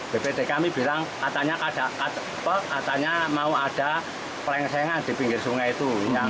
bpt kami bilang katanya mau ada pelengsengan di pinggir sungai itu